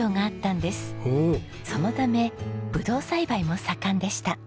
そのためブドウ栽培も盛んでした。